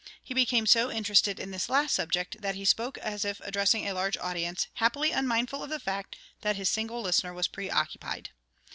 He became so interested in this last subject that he spoke as if addressing a large audience, happily unmindful of the fact that his single listener was preoccupied.